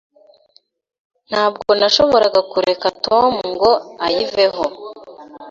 Ntabwo nashoboraga kureka Tom ngo ayiveho.